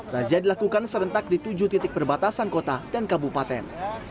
razia dilakukan serentak di tujuh titik perbatasan kota dan kabupaten